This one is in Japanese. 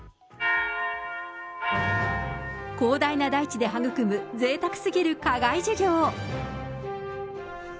広大な大地で育むぜいたくすぎる課外授業。